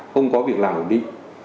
không có việc làm ổn định